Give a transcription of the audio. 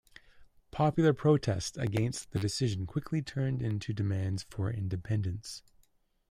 Popular protest against the decision quickly turned into demands for independence.